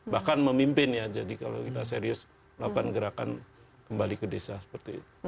bahkan memimpin ya jadi kalau kita serius melakukan gerakan kembali ke desa seperti itu